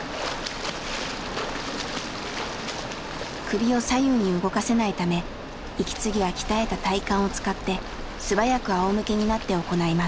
首を左右に動かせないため息継ぎは鍛えた体幹を使って素早くあおむけになって行います。